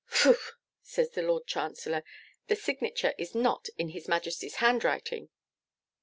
'Phoo!' says the Lord Chancellor, 'the signature is not in His Majesty's handwriting.